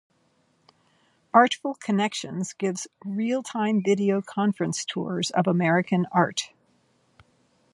Artful Connections gives real-time video conference tours of American Art.